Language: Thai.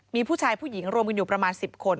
มีผู้ชายผู้หญิงรวมกันอยู่ประมาณ๑๐คน